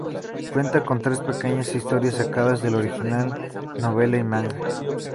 Cuenta con tres pequeñas historias sacadas del original novela y manga.